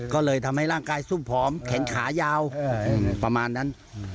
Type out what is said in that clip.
ก็เลยทำให้ร่างกายซุ่มผอมแขนขายาวประมาณนั้น